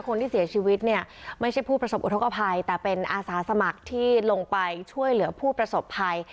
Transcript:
คนที่เสียชีวิตเนี่ยไม่ใช่ผู้ประสบอุทธกภัยแต่เป็นอาสาสมัครที่ลงไปช่วยเหลือผู้ประสบภัย